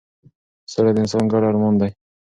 سوله د انسان ګډ ارمان دی